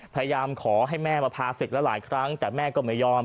พยายามขอให้แม่มาพาศึกแล้วหลายครั้งแต่แม่ก็ไม่ยอม